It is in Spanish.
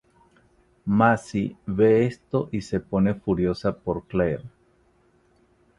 Massie ve esto y se pone furiosa por Claire.